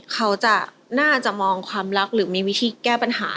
เขาจะน่าจะมองความรักหรือมีวิธีแก้ปัญหา